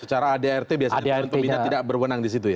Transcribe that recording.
secara adrt biasanya dewan pembina tidak berwenang di situ ya